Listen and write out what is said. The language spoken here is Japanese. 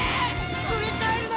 振り返るな！